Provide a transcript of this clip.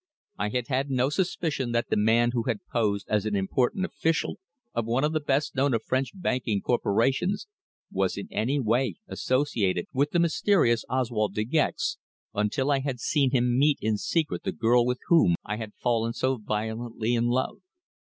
I had had no suspicion that the man who had posed as an important official of one of the best known of French banking corporations was in any way associated with the mysterious Oswald De Gex, until I had seen him meet in secret the girl with whom I had fallen so violently in love.